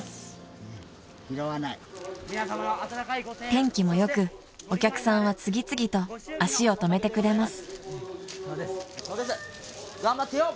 ［天気も良くお客さんは次々と足を止めてくれます］